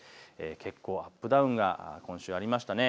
結構アップダウンが今週ありました。